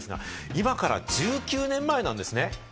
今から１９年前なんですね。